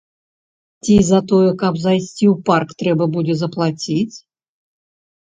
Ці за тое, каб зайсці ў парк, трэба будзе заплаціць?